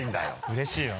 うれしいな。